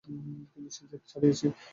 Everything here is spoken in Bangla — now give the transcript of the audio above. কিন্তু সে জেদ ছাড়িয়াছি।